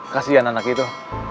kasian anak itu